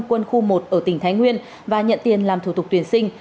quân khu một ở tỉnh thái nguyên và nhận tiền làm thủ tục tuyển sinh